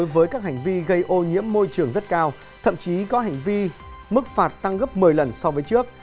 với các hành vi gây ô nhiễm môi trường rất cao thậm chí có hành vi mức phạt tăng gấp một mươi lần so với trước